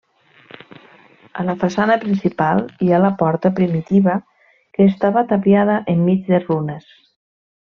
A la façana principal hi ha la porta primitiva que estava tapiada enmig de runes.